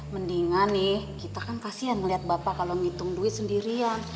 mendingan nih kita kan kasian melihat bapak kalau ngitung duit sendirian